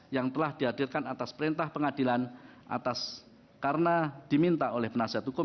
yang telah dihadirkan atas perintah pengadilan atas karena diminta oleh penasihat hukum